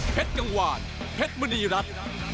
เพชรกังวาลเพชรมณีรัฐ